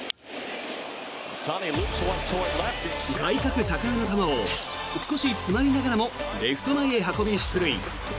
外角高めの球を少し詰まりながらもレフト前へ運び、出塁。